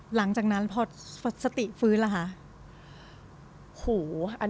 หลังจากนั้นพอสติฟื้นล่ะคะ